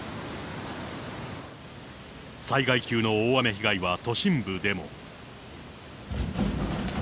災害級の大雨被害は都心部でも。